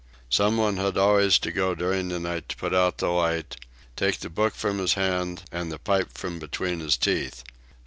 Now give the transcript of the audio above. Some one had always to go during the night to put out the light, take the book from his hand, and the pipe from between his teeth.